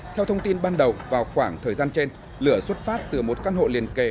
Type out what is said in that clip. theo thông tin ban đầu vào khoảng thời gian trên lửa xuất phát từ một căn hộ liền kề